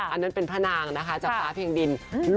อันนั้นเป็นพระนางนะคะจากฟ้าเพลงดิน